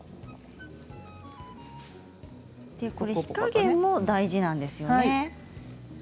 火加減も大事なんですよね。